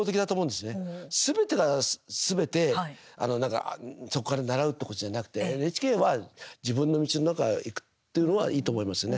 すべてがすべて、なんかそこから習うっていうことじゃなくて、ＮＨＫは自分の道をなんか行くっていうのはいいと思いますよね。